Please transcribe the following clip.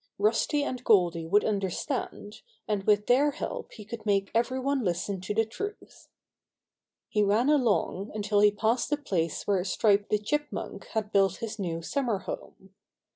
Rusty and Goldy would understand, and with their help he could make every one listen to the truth. He ran along until he passed the place where Stripe the Chipmunk had built his new summer home.